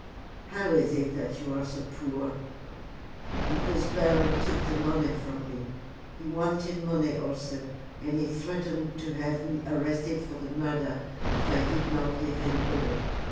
"How is it that you are so poor?" "Because Beryl took the money from me. He wanted money also, and he threatened to have me arrested for the murder if I did not give him all.